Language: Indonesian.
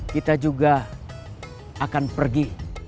kita juga akan pergi